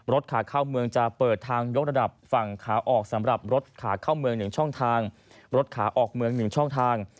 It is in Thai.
รถขาเข้าเมืองจะเปิดทางยกระดับฝั่งขาออกสำหรับรถขาเข้าเมือง๑ช่องทาง